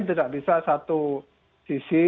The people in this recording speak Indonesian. tidak bisa satu sisi